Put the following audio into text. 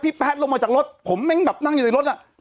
แป๊ดลงมาจากรถผมแม่งแบบนั่งอยู่ในรถอ่ะ